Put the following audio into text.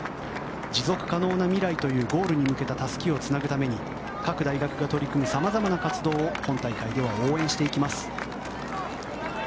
持続可能な未来というゴールに向けたたすきをつなぐために各大学が取り組むさまざまな活動を本大会では応援していきます。